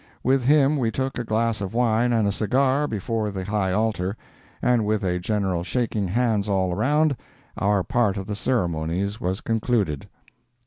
With him we took a glass of wine and a cigar before the high altar, and with a general shaking hands all around, our part of the ceremonies was concluded."